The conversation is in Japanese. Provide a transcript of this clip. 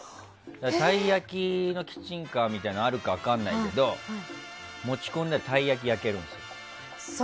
タイ焼きのキッチンカーはあるか分かんないけど持ち込んだらたい焼き焼けるんですよ。